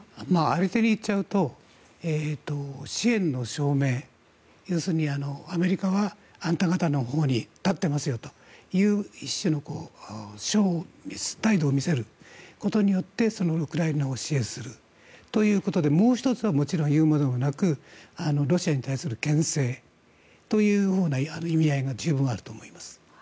ありていに言っちゃうと支援の証明要するにアメリカはあなた方のほうに立ってますよという一種の態度を見せることによってウクライナを支援するということでもう１つはもちろん言うまでもなくロシアに対するけん制というような意味合いが十分あると思います。